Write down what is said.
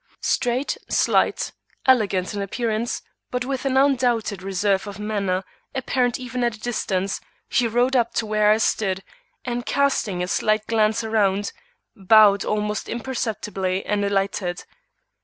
Straight, slight, elegant in appearance, but with an undoubted reserve of manner apparent even at a distance, he rode up to where I stood, and casting a slight glance around, bowed almost imperceptibly, and alighted.